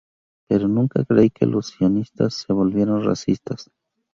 Pero nunca creí que los sionistas se volvieran racistas.